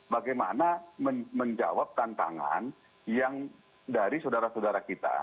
bagaimana menjawab tantangan yang dari saudara saudara kita